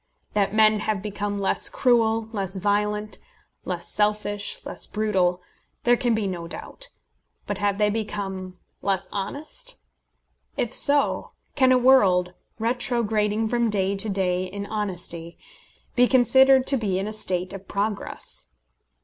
That men have become less cruel, less violent, less selfish, less brutal, there can be no doubt; but have they become less honest? If so, can a world, retrograding from day to day in honesty, be considered to be in a state of progress?